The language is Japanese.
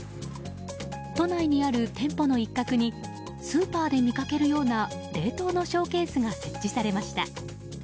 都内にある店舗の一角にスーパーで見かけるような冷凍のショーケースが設置されました。